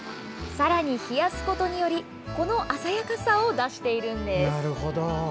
さらに冷やすことによりこの鮮やかさを出しているんです。